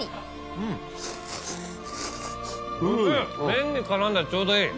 麺に絡んでちょうどいい。